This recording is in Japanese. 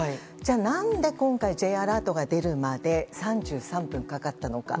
何で、今回Ｊアラートが出るまで３３分かかったのか。